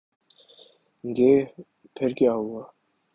گے، پھر کیا ہو گا؟